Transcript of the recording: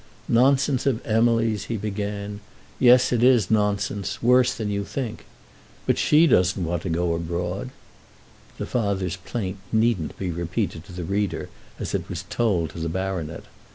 "Nonsense of Emily's!" he began. "Yes, it is nonsense, worse than you think. But she doesn't want to go abroad." The father's plaint needn't be repeated to the reader as it was told to the baronet.